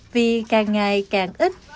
một ngày càng ít